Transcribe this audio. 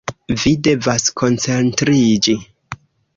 Vi devas koncentriĝi.